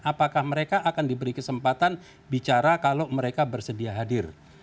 apakah mereka akan diberi kesempatan bicara kalau mereka bersedia hadir